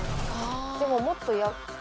でももっと山。